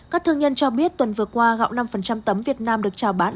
các thương nhân cho biết tuần vừa qua gạo năm tấm việt nam được trào bán